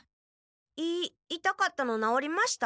胃いたかったのなおりました？